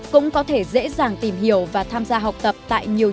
cũng có thể dễ dàng tìm hiểu và tham gia học tập tại nhiều trường